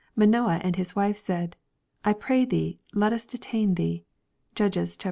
Manoah and his wife said, " I pray thee, let us detain thee." (Judges xiii.